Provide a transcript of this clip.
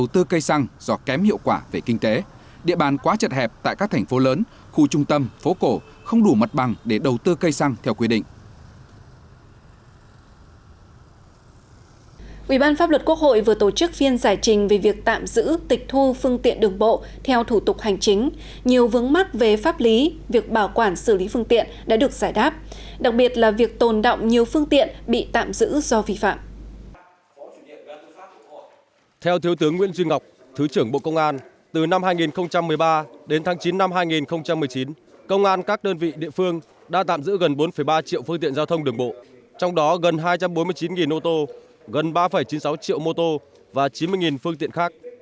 từ năm hai nghìn một mươi ba đến tháng chín năm hai nghìn một mươi chín công an các đơn vị địa phương đã tạm giữ gần bốn ba triệu phương tiện giao thông đường bộ vi phạm hành chính quá thời hạn giam giữ chưa xử lý được